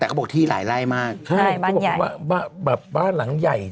แต่เขาบอกที่หลายไร่มากใช่บ้านใหญ่บ้านบ้านบ้านหลังใหญ่จริงจริง